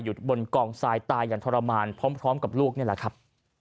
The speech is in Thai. บนกองทรายตายอย่างทรมานพร้อมกับลูกนี่แหละครับ